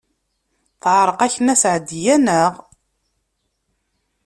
Teɛreq-ak Nna Seɛdiya, naɣ?